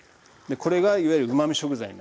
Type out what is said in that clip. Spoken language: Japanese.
これがいわゆるうまみ食材になります。